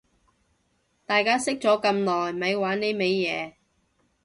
大家識咗咁耐咪玩呢味嘢